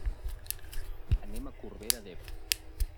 Anem a Corbera d'Ebre.